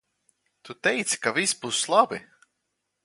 Tu teici ka viss būs labi.